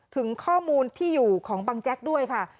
ถึงข้อมูลที่อยู่ของบังแจ๊กด้วยค่ะ